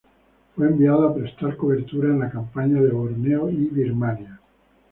Fue enviado a prestar cobertura en la Campaña de Borneo y Birmania.